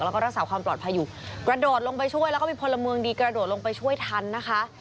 แล้วก็รักษาความปลอดภัยอยู่กระโดดลงไปช่วยแล้วก็มีพลเมืองดีกระโดดลงไปช่วยทันนะคะ